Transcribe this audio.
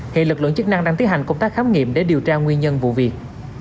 hiện lực lượng chức năng đang tiến hành công tác khám nghiệm để điều tra nguyên nhân vụ việc